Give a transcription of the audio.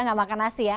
nggak makan nasi ya